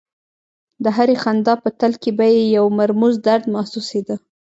د هرې خندا په تل کې به یې یو مرموز درد محسوسېده